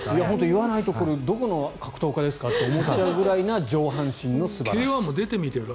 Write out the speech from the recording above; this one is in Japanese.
言わないとこれ、どこの格闘家ですかって思っちゃうぐらいな上半身の素晴らしさ。